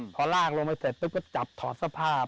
พอลากลงไปเสร็จต้องก็จับถอดสภาพ